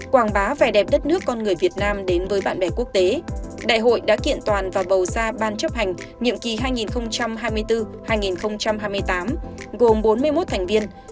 quảng bá vẻ đẹp đất nước con người việt nam đến với bạn bè quốc tế đại hội đã kiện toàn và bầu ra ban chấp hành nhiệm kỳ hai nghìn hai mươi bốn hai nghìn hai mươi tám gồm bốn mươi một thành viên